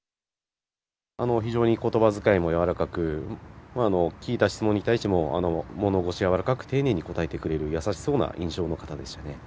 非常にことばづかいも柔らかく、聞いた質問に対しても、物腰柔らかく、丁寧に答えてくれる、優しそうな印象の方でしたね。